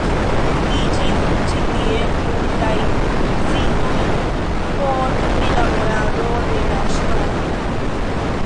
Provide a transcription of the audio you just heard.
Estiĝis ĉi tie multaj uzinoj por prilaborado de la ŝtonoj.